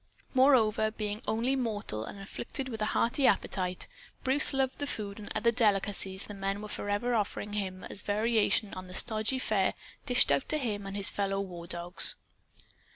Moreover, being only mortal and afflicted with a hearty appetite, Bruce loved the food and other delicacies the men were forever offering him as a variation on the stodgy fare dished out to him and his fellow war dogs.